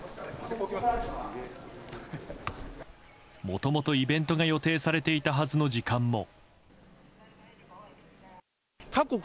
もともとイベントが予定されていたはずの時間も。